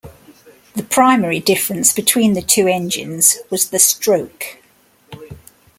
The primary difference between the two engines was the stroke.